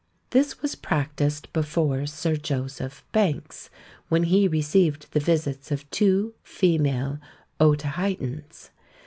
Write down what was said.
This was practised before Sir Joseph Banks, when he received the visits of two female Otaheitans.